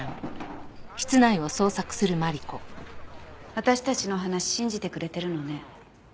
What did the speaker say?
私たちの話信じてくれてるのね。